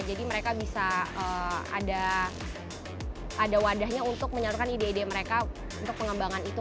jadi mereka bisa ada wadahnya untuk menyalurkan ide ide mereka untuk pengembangan itu